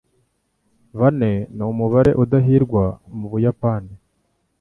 Bane numubare udahirwa mubuyapani.